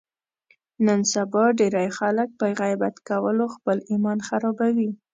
نن سبا ډېری خلک په غیبت کولو خپل ایمان خرابوي.